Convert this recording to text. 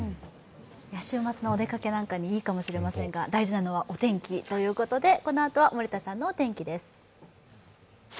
週末のお出かけなんかにいいかもしれませんが、大事なのはお天気ということでこのあとは森田さんのお天気です。